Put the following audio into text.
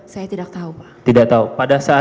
saya tidak tahu pak